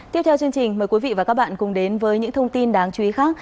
tiếp theo chương trình mời quý vị và các bạn cùng đến với những thông tin đáng chú ý khác